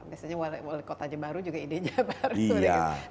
biasanya wali kotanya baru juga ide nya baru